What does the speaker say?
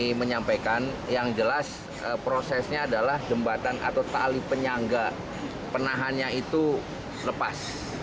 kami menyampaikan yang jelas prosesnya adalah jembatan atau tali penyangga penahannya itu lepas